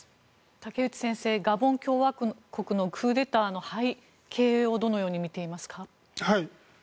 武内先生、ガボン共和国のクーデターの背景をどのように見ていますか？